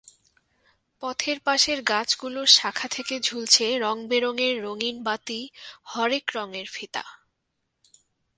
পথের পাশের গাছগুলোর শাখা থেকে ঝুলছে রংবেরঙের রঙিন বাতি, হরেক রঙের ফিতা।